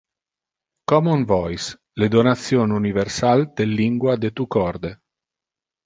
Common Voice: le donation universal del lingua de tu corde.